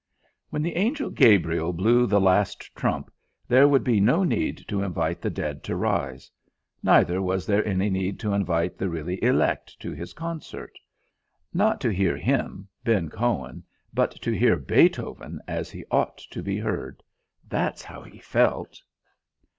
When the Angel Gabriel blew the last trump, there would be no need to invite the dead to rise. Neither was there any need to invite the really elect to his concert. Not to hear him, Ben Cohen, but to hear Beethoven as he ought to be heard; that's how he felt.